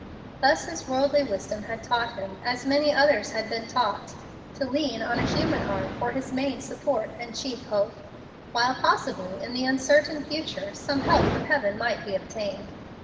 Thus his worldly wisdom had taught him, as many others had been taught, to lean on a human arm for his main support and chief hope, while possibly in the uncertain future some help from heaven might be obtained.